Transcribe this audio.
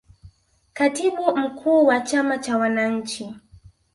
katibu mkuu wa chama cha wananchi